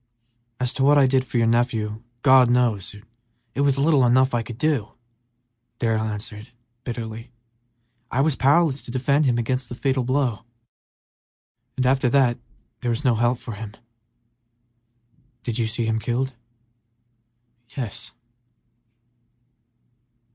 "As to what I did for your nephew, God knows it was little enough I could do," Darrell answered, bitterly. "I was powerless to defend him against the fatal blow, and after that there was no help for him." "Did you see him killed?" "Yes."